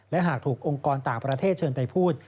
และหากถูกองค์กรต่างประเทศเชิญไปพูด